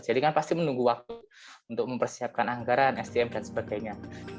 jadi kan pasti menunggu waktu untuk mempersiapkan anggaran stm dan sebagainya